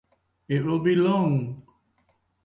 It will be long.